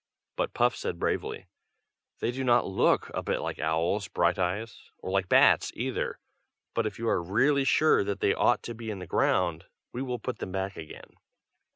But Puff said bravely: "They do not look a bit like owls, Brighteyes, or like bats either; but if you are really sure that they ought to be in the ground, we will put them back again."